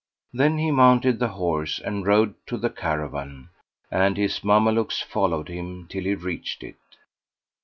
Then he mounted horse and rode to the caravan and his Mamelukes followed him till he reached it.